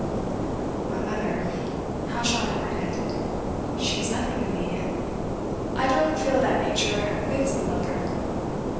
'My mother how shall I word it? She is nothing to me. I don't feel that Nature bids me love her.